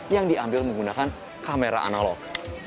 yang diambil menggunakan kamera analog